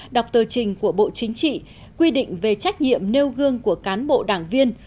đọc tờ trình của bộ chính trị quy định về trách nhiệm nêu gương của cán bộ đảng viên